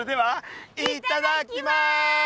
いただきます！